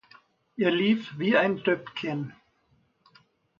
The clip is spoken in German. Er lief wie ein Döppken.